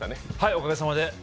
おかげさまで。